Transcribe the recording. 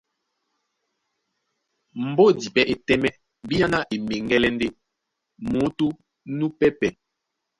Mbódi pɛ́ é tɛ́mɛ bíáná e meŋgɛ́lɛ́ ndé muútú núpɛ́pɛ̄,